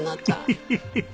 フフフフ。